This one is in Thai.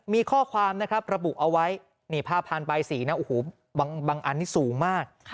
มีข้อความนะครับระบุเอาไว้นี่ผ้าผ่านใบสีนะโอ้โหบางอันนี้สูงมาก